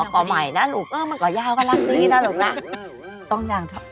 ก่อใหม่นะลูกมันก่อยาวก็ละนี้นะลูกน่ะ